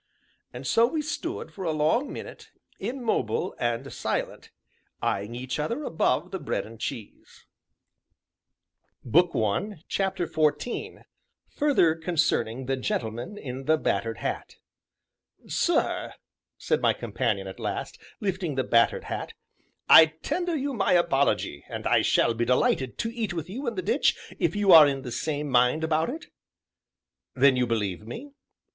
And so we stood, for a long minute, immobile and silent, eyeing each other above the bread and cheese. CHAPTER XIV FURTHER CONCERNING THE GENTLEMAN IN THE BATTERED HAT "Sir," said my companion at last, lifting the battered hat, "I tender you my apology, and I shall be delighted to eat with you in the ditch, if you are in the same mind about it?" "Then you believe me?"